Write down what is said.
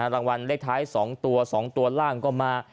รางวัลเลขท้าย๒ตัว๒ตัวล่างก็มา